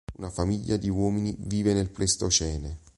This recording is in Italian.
Una famiglia di uomini vive nel Pleistocene.